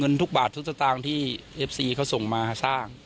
ทุกบาททุกสตางค์ที่เอฟซีเขาส่งมาสร้าง